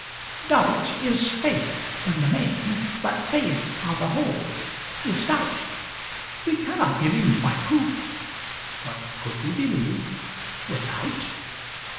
Doubt is faith in the main: but faith, on the whole, is doubt: We cannot believe by proof: but could we believe without?